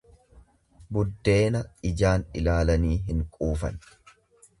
Buddeena ijaan ilaalanii hin quufan.